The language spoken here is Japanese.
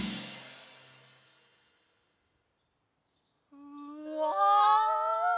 うわ！